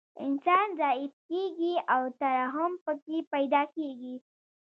انسان ضعیف کیږي او ترحم پکې پیدا کیږي